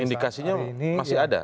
indikasinya masih ada